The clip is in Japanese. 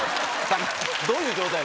どういう状態？